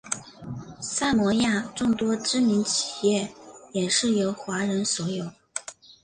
萨摩亚众多知名企业也是由华人所有。